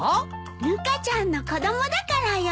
ぬかちゃんの子供だからよ。